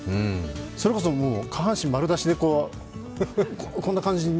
それこそ下半身丸出しでこんな感じで。